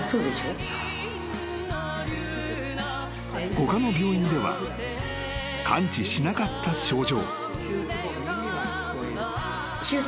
［他の病院では完治しなかった症状］